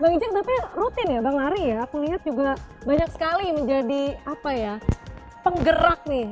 bang ijek tapi rutin ya bang lari ya aku lihat juga banyak sekali menjadi apa ya penggerak nih